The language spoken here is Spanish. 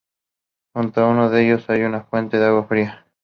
Junto a uno de ellos hay una fuente de agua fría.